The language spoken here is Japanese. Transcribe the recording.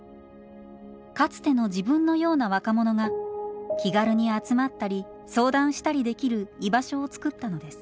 かつての自分のような若者が気軽に集まったり相談したりできる居場所をつくったのです。